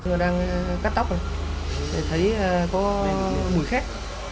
chúng tôi đang cắt tóc rồi thấy có mùi khét